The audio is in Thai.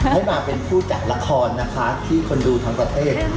ให้มาเป็นผู้จัดละครนะคะที่คนดูทั้งประเทศ